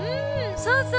そうそう。